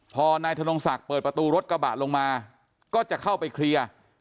พอนายธนงศักดิ์เปิดประตูรถกระบะลงมาก็จะเข้าไปเคลียร์